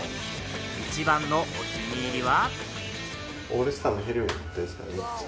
一番のお気に入りは。